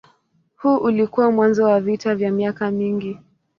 Huu ulikuwa mwanzo wa vita vya miaka mingi.